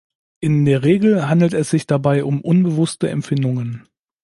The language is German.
In der Regel handelt es sich dabei um unbewusste Empfindungen.